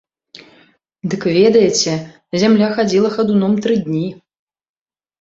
Дык ведаеце, зямля хадзіла хадуном тры дні.